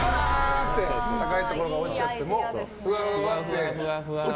高いところから落ちちゃってもふわふわって。